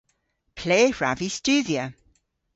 Ple hwrav vy studhya?